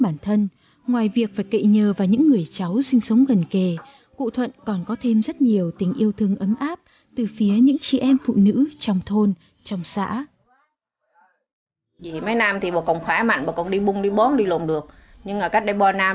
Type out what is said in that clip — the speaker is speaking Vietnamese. nhờ và những người cháu sinh sống gần kề cụ thuận còn có thêm rất nhiều tình yêu thương ấm áp từ phía những chị em phụ nữ trong thôn trong xã